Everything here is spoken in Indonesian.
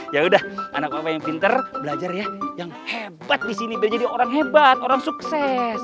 yaudah anak papa yang pinter belajar ya yang hebat disini belajar jadi orang hebat orang sukses